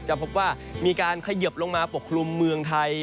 พบว่ามีการเขยิบลงมาปกคลุมเมืองไทย